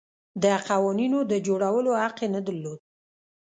د قوانینو د جوړولو حق یې نه درلود.